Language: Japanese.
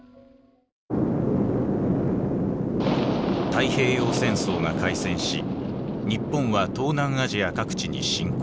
太平洋戦争が開戦し日本は東南アジア各地に侵攻。